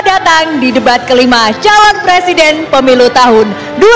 selamat datang di debat kelima calon presiden pemilu tahun dua ribu dua puluh empat